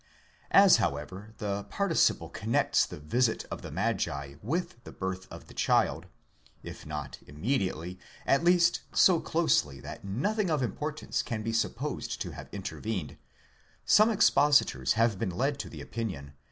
As, however, the participle connects the visit of the magi with the birth of 'the child, if not immediately, at least so closely that nothing of importance can be supposed to have intervened, some expositors have been led to the opinion that the 51 Lightfoot, Hore, p.